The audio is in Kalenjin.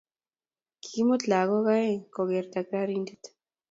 Kikimut lagok oeng koger daktarinte.